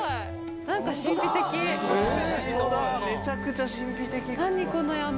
めちゃくちゃ神秘的。